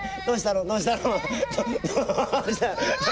どうしたの？